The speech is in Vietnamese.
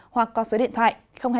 hoặc có số điện thoại